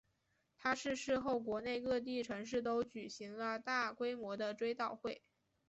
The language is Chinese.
他逝世后国内各地城市都举行了大规模的追悼会。